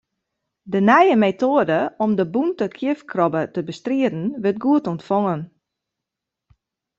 De nije metoade om de bûnte kjifkrobbe te bestriden, wurdt goed ûntfongen.